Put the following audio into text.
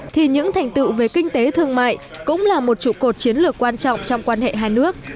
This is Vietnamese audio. thì những thành tựu về kinh tế thương mại cũng là một trụ cột chiến lược quan trọng trong quan hệ hai nước